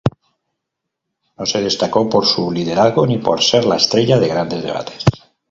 No se destacó por su liderazgo ni por ser la estrella de grandes debates.